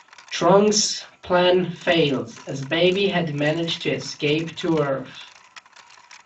Trunks' plan fails as Baby had managed to escape to Earth.